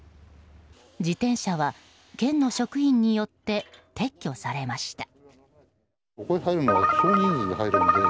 自転車は県の職員によって撤去されました。